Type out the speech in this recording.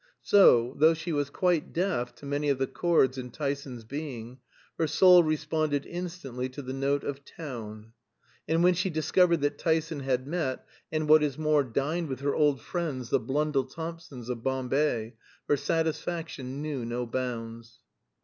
So, though she was quite deaf to many of the chords in Tyson's being, her soul responded instantly to the note of "town." And when she discovered that Tyson had met and, what is more, dined with her old friends the Blundell Thompsons "of Bombay," her satisfaction knew no bounds.